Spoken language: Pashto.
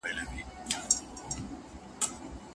له سهاره راته ناست پر تش دېګدان دي